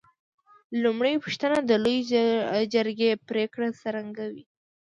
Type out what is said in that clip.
لومړۍ پوښتنه: د لویې جرګې پرېکړې څرنګه وې؟